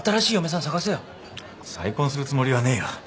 再婚するつもりはねえよ。